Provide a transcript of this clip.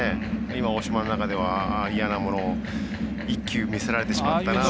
今、大島の中では嫌な１球を見せられてしまったなと。